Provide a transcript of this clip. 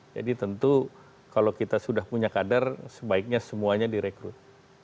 jadi tentu kalau kita sudah punya kader sebaiknya semuanya direkrut